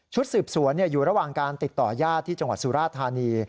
สืบสวนอยู่ระหว่างการติดต่อญาติที่จังหวัดสุราธานี